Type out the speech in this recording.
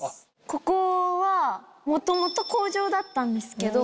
ここは元々工場だったんですけど。